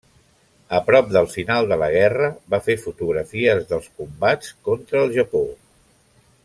A prop del final de la guerra, va fer fotografies dels combats contra el Japó.